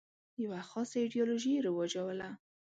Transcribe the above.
یوه خاصه ایدیالوژي رواجوله.